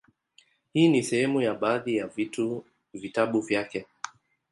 Hii ni sehemu ya baadhi ya vitabu vyake;